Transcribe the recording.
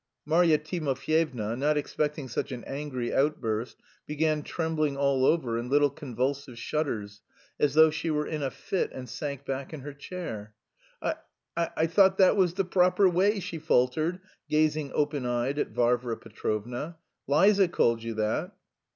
Marya Timofyevna, not expecting such an angry outburst, began trembling all over in little convulsive shudders, as though she were in a fit, and sank back in her chair. "I... I... thought that was the proper way," she faltered, gazing open eyed at Varvara Petrovna. "Liza called you that."